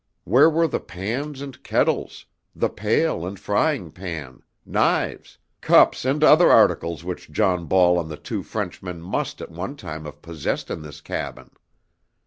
Where were the pans and kettles, the pail and frying pan, knives, cups and other articles which John Ball and the two Frenchmen must at one time have possessed in this cabin?